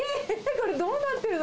これ、どうなってるの？